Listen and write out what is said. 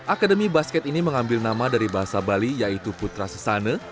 akademi basket ini mengambil nama dari bahasa bali yaitu putra sesane